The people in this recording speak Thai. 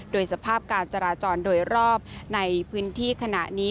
โดยสภาพการจราจรโดยรอบในพื้นที่ขณะนี้